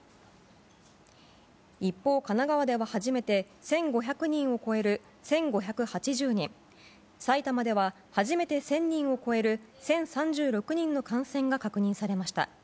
一方、神奈川では初めて１５００人を超える１５８０人埼玉では初めて１０００人を超える１０３６人の感染が確認されました。